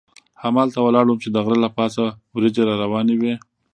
همالته ولاړ وم چې د غره له پاسه وریځې را روانې وې.